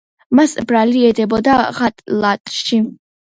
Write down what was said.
მას ბრალი ედებოდა ღალატში.